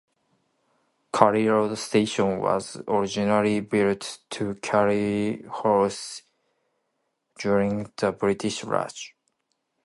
Currey Road Station was originally built to carry horses during the British Raj.